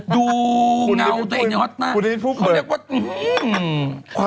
ดูเงาตัวเองเนี่ยฮ็อตต้า